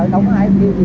không có ai kêu gì